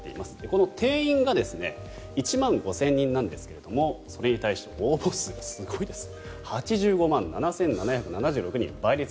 この定員が１万５０００人なんですがそれに対して応募数がすごいです。